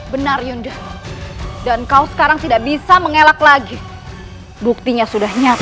benar yundu dan kau sekarang tidak bisa mengelak lagi buktinya sudah nyata